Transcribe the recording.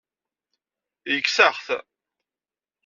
Yekkes-aɣ-t.